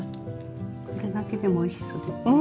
これだけでもおいしそうですね。